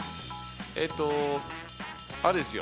えっとあれですよ